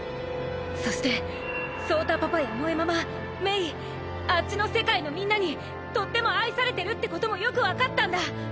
そして草太パパや萌ママ芽衣あっちの世界のみんなにとっても愛されてるってこともよくわかったんだ。